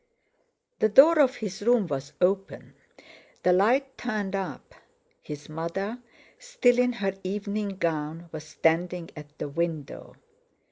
The door of his room was open, the light turned up; his mother, still in her evening gown, was standing at the window.